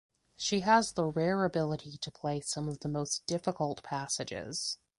She has the rare ability to play some of the most difficult passages.